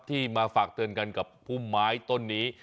ที่มาฝากเตือนกันกับพุ่มไม้ต้นนี้